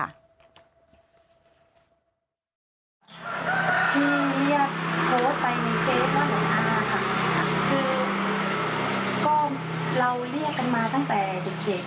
ทีนี้โทษไปในเคสบ้านหว่างค่ะคือ